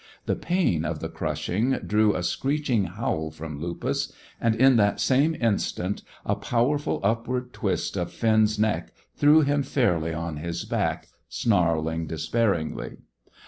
The pain of the crushing drew a screeching howl from Lupus, and in that same instant a powerful upward twist of Finn's neck threw him fairly on his back, snarling despairingly.